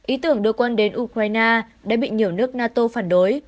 ý tưởng đưa quan đến ukraine đã bị nhiều nước nato phản đối